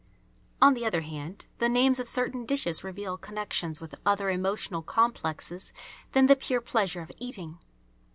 On the other hand the names of certain dishes reveal connections with other emotional complexes than the pure pleasure of eating.